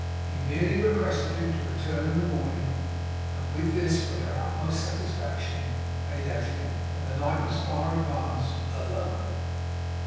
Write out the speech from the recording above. He merely requested him to return in the morning; and with this for their utmost satisfaction, they left him, when the night was far advanced, alone.